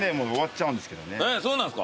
そうなんですか？